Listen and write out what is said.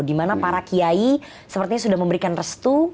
dimana para kiai sepertinya sudah memberikan restu